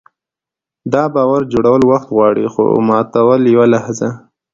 د باور جوړول وخت غواړي، خو ماتول یوه لحظه.